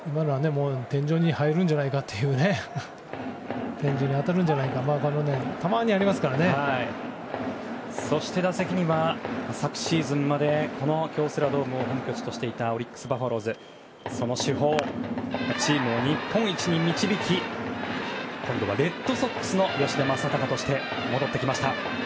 今のは天井に当たるんじゃないかというそして、打席には昨シーズンまでこの京セラドームを本拠地としていたオリックス・バファローズの主砲チームを日本一に導き今度はレッドソックスの吉田正尚として戻ってきました。